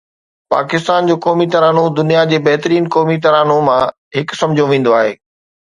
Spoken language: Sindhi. پاڪستان جو قومي ترانو دنيا جي بهترين قومي ترانون مان هڪ سمجهيو ويندو آهي